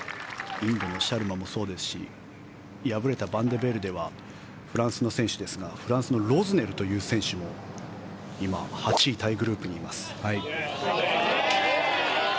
インドのシャルマもそうですし敗れたバンデベルデはフランスの選手ですがフランスのロズネルという選手も今、８位タイグループにいます。